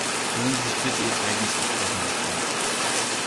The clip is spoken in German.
Hören Sie sich bitte Ihr eigenes Gesprochenes an.